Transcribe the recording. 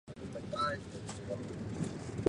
勒克鲁瓦斯蒂。